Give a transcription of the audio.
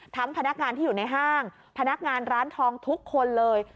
พนักงานที่อยู่ในห้างพนักงานร้านทองทุกคนเลย